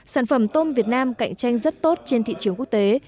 sản phẩm tôm việt nam cạnh tranh rất tốt trên thị trường quốc tế